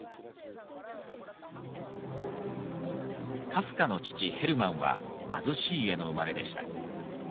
カフカの父ヘルマンは貧しい家の生まれでした。